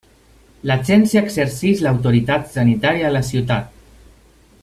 L'Agència exerceix l'autoritat sanitària a la ciutat.